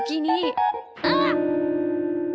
あっ！